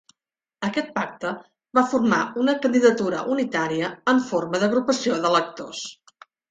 Aquest pacte va formar una candidatura unitària en forma d'agrupació d'electors.